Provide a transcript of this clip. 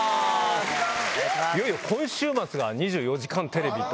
いよいよ今週末が『２４時間テレビ』。